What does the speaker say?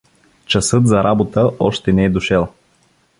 Часът за работа още не е дошел.